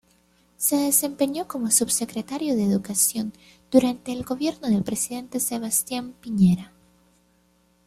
Se desempeñó como subsecretario de educación durante el gobierno del presidente Sebastián Piñera.